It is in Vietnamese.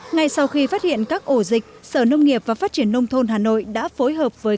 ngay sau khi phát hiện các ổ dịch sở nông nghiệp và phát triển nông thôn hà nội đã phối hợp với